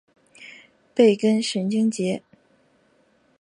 背根神经节。